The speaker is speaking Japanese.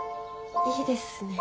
いいですね。